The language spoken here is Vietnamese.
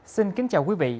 xin kính chào quý vị